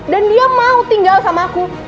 dan dia mau tinggal sama aku